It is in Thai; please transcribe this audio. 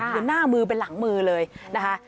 หน้ามือเป็นหลังมือเลยนะคะ